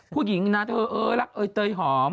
ผู้หญิงน่าเตอเออรักเตยหอม